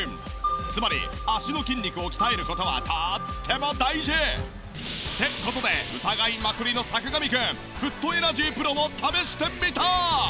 つまり足の筋肉を鍛える事はとっても大事。って事で疑いまくりの坂上くんフットエナジープロを試してみた。